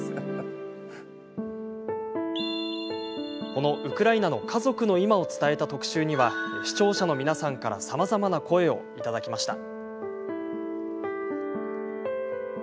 このウクライナの家族の今を伝えた特集には視聴者の皆さんからさまざまな声をいただきました。